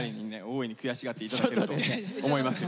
大いに悔しがって頂けると思います。